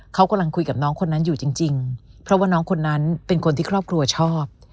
เขากำลังคุยกับน้องคนนั้นอยู่จริงเพราะว่าน้องคนนั้นเป็นคนที่ครอบครัวชอบ